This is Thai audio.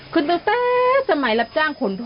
ขึ้นไปแป๊ะสมัยรับจ้างขนทอ